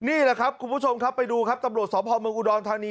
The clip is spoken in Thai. นี่ล่ะครับคุณผู้ชมไปดูตำรวจส็อบฮอล์เมืองอุดอนธานี